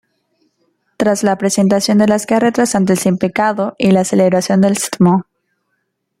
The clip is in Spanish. Tras la presentación de las carretas ante el Simpecado y la celebración del Stmo.